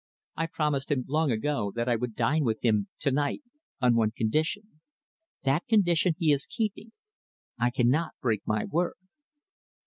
I promised him long ago that I would dine with him to night on one condition. That condition he is keeping. I cannot break my word."